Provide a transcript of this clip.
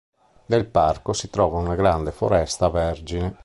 Nel parco si trova una grande foresta vergine.